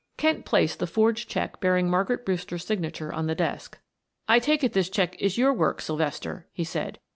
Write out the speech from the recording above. Kent placed the forged check bearing Margaret Brewster's signature on the desk. "I take it this check is your work, Sylvester," he said.